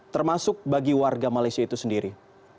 termasuk bagi warga malaysia itu sendiri